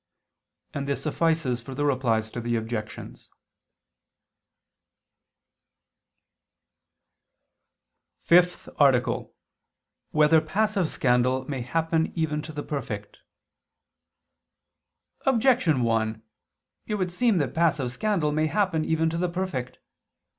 And this suffices for the Replies to the Objections. _______________________ FIFTH ARTICLE [II II, Q. 43, Art. 5] Whether Passive Scandal May Happen Even to the Perfect? Objection 1: It would seem that passive scandal may happen even to the perfect.